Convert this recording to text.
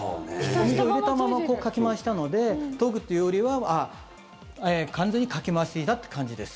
お水を入れたままかき回したので研ぐというよりは完全にかき回していたって感じです。